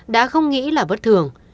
đã không nghĩ là bất thường